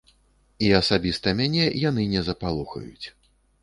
І асабіста мяне яны не запалохаюць.